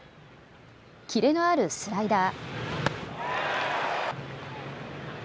キレのあるスライダー。